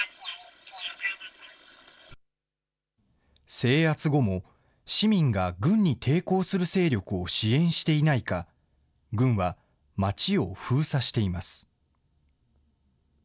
制圧後も、市民が軍に抵抗する勢力を支援していないか、軍は町を封鎖しています。